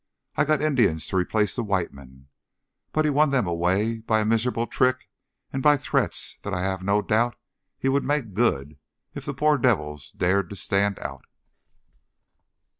I got Indians to replace the white men, but he won them away by a miserable trick and by threats that I have no doubt he would make good if the poor devils dared to stand out.